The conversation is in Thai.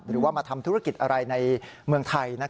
หรือว่ามาทำธุรกิจอะไรในเมืองไทย